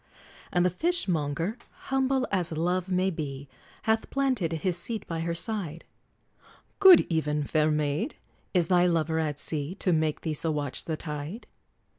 And the Fishmonger, humble as love may be Hath planted his seat by her side; "Good even, fair maid! Is thy lover at sea, To make thee so watch the tide?"